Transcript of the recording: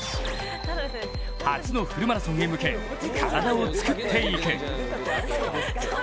初のフルマラソンへ向け体を作っていく。